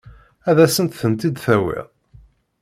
Ad asent-tent-id-tawiḍ?